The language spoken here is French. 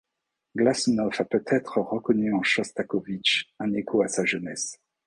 Glazounov a peut-être reconnu en Chostakovitch un écho à sa jeunesse.